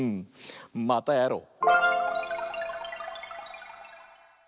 またやろう！